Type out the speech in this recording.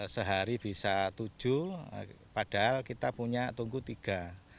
sehari bisa tujuh padahal kita punya tunggu tiga